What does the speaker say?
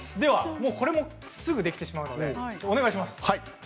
すぐできてしまうのでお願いします。